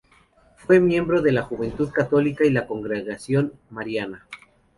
Fue miembro de la Juventud Católica y la Congregación Mariana.